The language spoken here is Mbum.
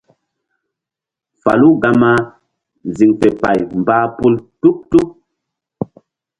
Falu gama ziŋ fe pay mbah pum tuɓ-tuɓ.